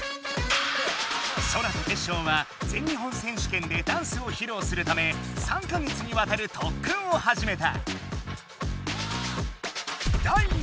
ソラとテッショウは全日本選手権でダンスをひろうするため３か月にわたるとっくんをはじめた。